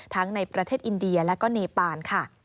ในประเทศอินเดียและก็เนปานค่ะ